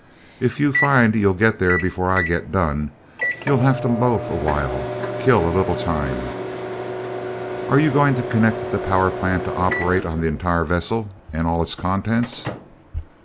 If you find you'll get there before I get done, you'll have to loaf a while kill a little time." "Are you going to connect the power plant to operate on the entire vessel and all its contents?"